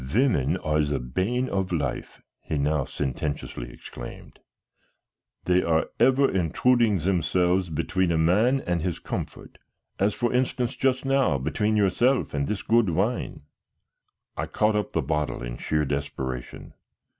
"Women are the bane of life," he now sententiously exclaimed. "They are ever intruding themselves between a man and his comfort, as for instance just now between yourself and this good wine." I caught up the bottle in sheer desperation.